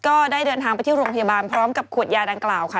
ก็ได้เดินทางไปที่โรงพยาบาลพร้อมกับขวดยาดังกล่าวค่ะ